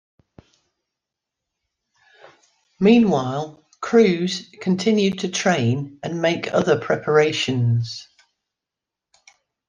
Meanwhile, crews continued to train and make other preparations.